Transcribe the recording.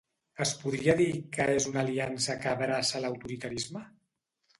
Es podria dir que és una aliança que abraça l'autoritarisme?